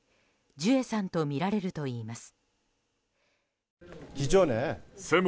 ジュエさんとみられるといいます。